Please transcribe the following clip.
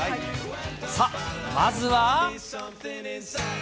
さあ、まずは。